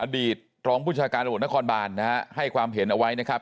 ตรองผู้ชาการตำรวจนครบานนะฮะให้ความเห็นเอาไว้นะครับ